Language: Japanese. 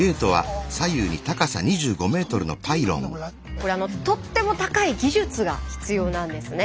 これとっても高い技術が必要なんですね。